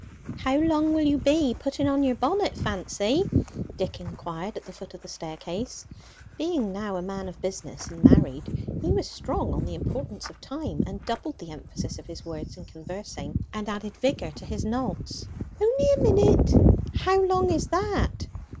"How long will you be putting on your bonnet, Fancy?" Dick inquired at the foot of the staircase. Being now a man of business and married, he was strong on the importance of time, and doubled the emphasis of his words in conversing, and added vigour to his nods. "Only a minute." "How long is that?"